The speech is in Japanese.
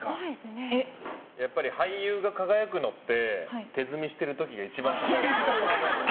やっぱり俳優が輝くのって手積みしてる時が違う。